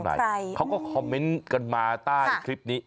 เป็นของใครเขาก็คอมเมนต์กันมาใต้คลิปนี้